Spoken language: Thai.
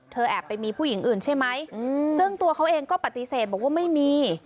แอบไปมีผู้หญิงอื่นใช่ไหมซึ่งตัวเขาเองก็ปฏิเสธบอกว่าไม่มี